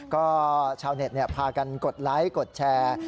ก็ชาวเน็ตพากันกดไลค์กดแชร์